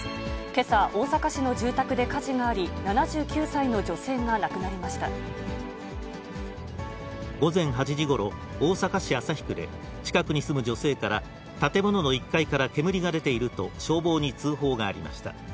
けさ、大阪市の住宅で火事があり、午前８時ごろ、大阪市旭区で、近くに住む女性から、建物の１階から煙が出ていると消防に通報がありました。